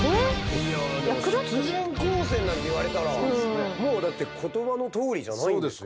いやでも殺人光線なんて言われたらもうだって言葉のとおりじゃないんですか？